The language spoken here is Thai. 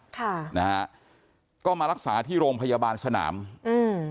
ค่ะนะฮะก็มารักษาที่โรงพยาบาลสนามอืม